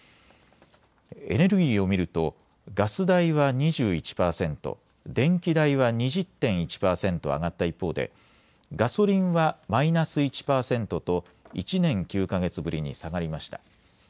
エネルギーを見るとガス代は２１％、電気代は２０．１％上がった一方でガソリンはマイナス１％と１年９か月ぶりに下がりました。